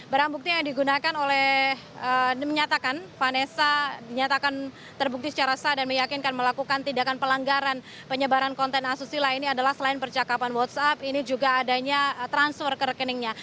barang bukti yang digunakan oleh menyatakan vanessa dinyatakan terbukti secara sah dan meyakinkan melakukan tindakan pelanggaran penyebaran konten asusila ini adalah selain percakapan whatsapp ini juga adanya transfer ke rekeningnya